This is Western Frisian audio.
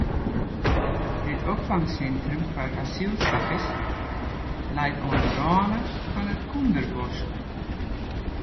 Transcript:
Dit opfangsintrum foar asylsikers leit oan de râne fan it Kúnderbosk.